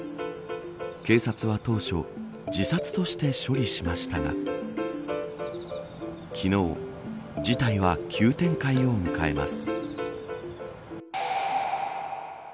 警察は当初自殺として処理しましたが昨日、事態は急展開を迎えます。